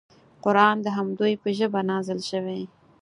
قران د همدوی په ژبه نازل شوی.